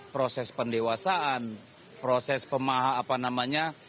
proses pendewasaan proses pemaha apa namanya